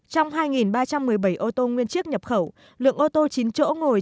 trong hai ba trăm một mươi bảy ô tô nguyên chiếc nhập khẩu lượng ô tô chín chỗ ngồi